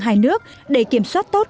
hai nước để kiểm soát tốt